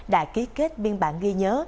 đã ký kết biên bản ghi nhớ